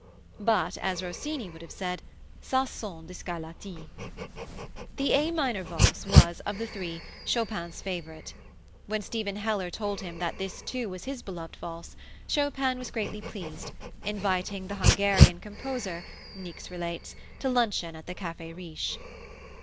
But as Rossini would have said, "Ca sent de Scarlatti!" The A minor Valse was, of the three, Chopin's favorite. When Stephen Heller told him this too was his beloved valse, Chopin was greatly pleased, inviting the Hungarian composer, Niecks relates, to luncheon at the Cafe Riche.